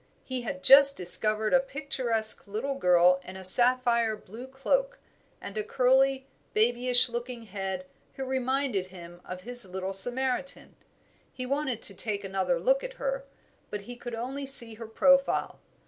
He had just discovered a picturesque little girl in a sapphire blue cloak, and a curly babyish looking head who reminded him of his little Samaritan; he wanted to take another look at her, but he could only see her profile.